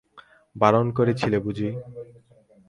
বারণ করেছিলে বুঝি!